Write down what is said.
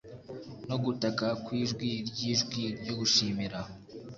no gutaka kwijwi ryijwi ryo gushimira